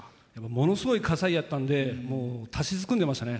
ものすごい火災やったんで立ちすくんでましたね。